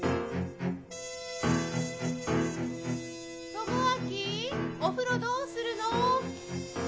・智明お風呂どうするの？